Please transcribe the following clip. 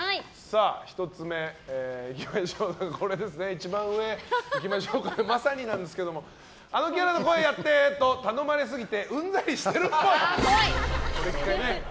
１つ目、一番上まさになんですけど「あのキャラの声やってー！」と頼まれ過ぎてうんざりしてるっぽい。